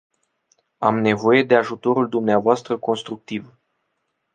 Am nevoie de ajutorul dumneavoastră constructiv.